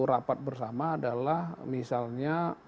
rapat bersama adalah misalnya